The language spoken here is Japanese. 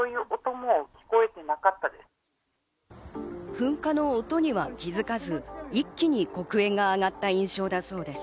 噴火の音には気づかず、一気に黒煙が上がった印象だそうです。